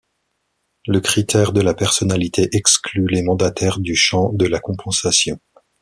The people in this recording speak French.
Le critère de la personnalité exclut les mandataires du champ de la compensation.